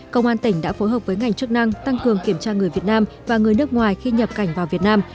công an tỉnh đã phối hợp với ngành chức năng tăng cường kiểm tra người việt nam và người nước ngoài khi nhập cảnh vào việt nam